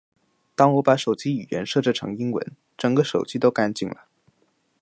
当我把手机语言设置成英文，整个手机都干净了